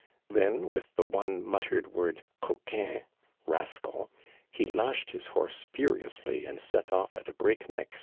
Then, with the one muttered word coquiii (rascal), he lashed his horse furiously and set ofl"at a break neck